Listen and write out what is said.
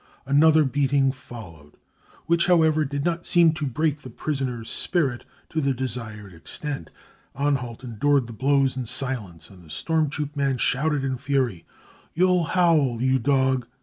Another beating followed, which BRUTALITY AND TORTURE 223 however did not seem to break the prisoner's spirit to the desired extent. Anhalt endured the blows in silence, and the storm troop man shouted in fury : 4 You'll howl, you dog